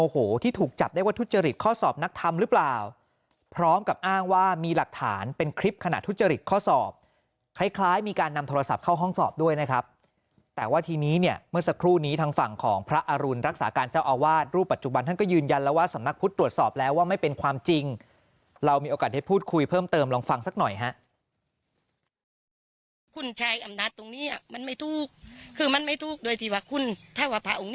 โทรศัพท์เข้าห้องสอบด้วยนะครับแต่ว่าทีนี้เนี่ยเมื่อสักครู่นี้ทางฝั่งของพระอรุณรักษาการเจ้าอาวาสรูปปัจจุบันท่านก็ยืนยันแล้วว่าสำนักพุทธตรวจสอบแล้วว่าไม่เป็นความจริงเรามีโอกาสให้พูดคุยเพิ่มเติมลองฟังสักหน่อยฮะ